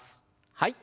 はい。